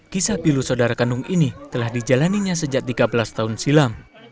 kisah pilu saudara kandung ini telah dijalaninya sejak tiga belas tahun silam